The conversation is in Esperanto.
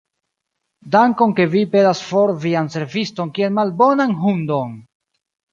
Dankon, ke vi pelas for vian serviston kiel malbonan hundon!